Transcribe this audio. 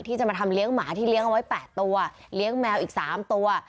ที่จะมาทำเลี้ยงหมาที่เลี้ยงเอาไว้๘ตัวเลี้ยงแมวอีก๓ตัว